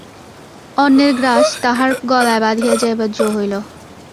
অন্নের গ্রাস তাহার গলায় বাধিয়া যাইবার জো হইল।